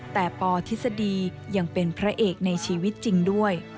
แต่ปทฤษฎียังเป็นพระเอกในชีวิตจริงด้วย